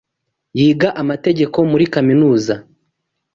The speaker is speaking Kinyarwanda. Yiga amategeko muri kaminuza.